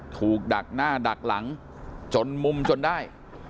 ดักหน้าดักหลังจนมุมจนได้